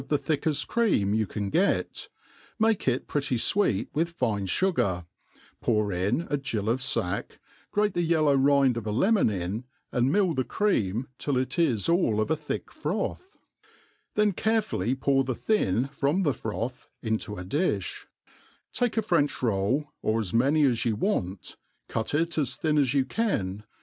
the thickeil cream yoa can get, make it pretty fweet with fine fugar, pour in a gill of fack, grate the yellow rind of a lemon in, and mill the cream till it is all of a thick froth; then carefully pour the thin from the froth, into a di(h; take a French roll, or as many as you want, cut it as. thin as you can.